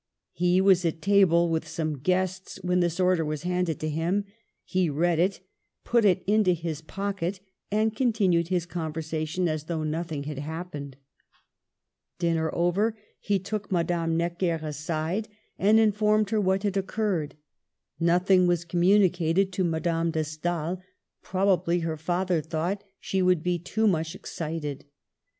He was at table with some guests when this order was handed to him ; he read it, put it into his pocket, and continued his conver sation as though nothing had happened. Dinner over, he took Madame Necker aside, Digitized by VjOOQIC :\ 44 M4&AME DE STAEL. and informed her what had occurred. Nothing was communicated to Madame de Stael ; proba bly her father thought she would be too much excited.